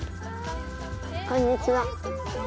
こんにちは。